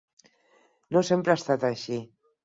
No sempre ha estat així.